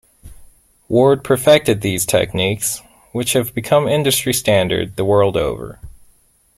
Ward perfected these techniques which have become industry standard the world over.